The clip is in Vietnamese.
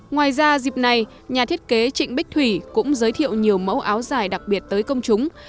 ngoài ra dịp này nhà thiết kế trịnh bích thủy cũng giới thiệu nhiều mẫu áo dài đặc biệt tới công chúng